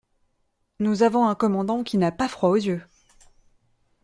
Nous avons un commandant qui n’a pas froid aux yeux !…